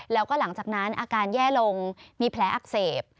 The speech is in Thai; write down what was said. แล้วก็หลังจากนั้นอาการแย่ลงมีแผลอักเสบ